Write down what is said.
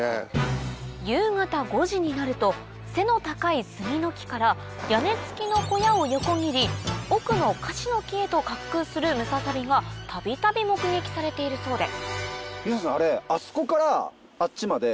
夕方５時になると背の高い杉の木から屋根付きの小屋を横切り奥の樫の木へと滑空するムササビがたびたび目撃されているそうで西野さん。